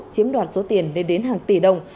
chiếm đoạt số tiền lên đến hàng tỷ đồng